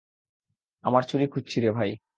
আমার চুড়ি খুঁজছি রে ভাই।